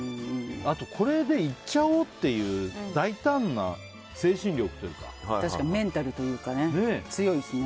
あと、これでいっちゃおうっていうメンタルというかね強いですね。